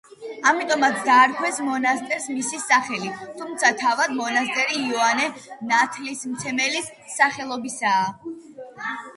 ამიტომაც დაარქვეს მონასტერს მისი სახელი, თუმცა თავად მონასტერი იოანე ნათლისმცემლის სახელობისაა.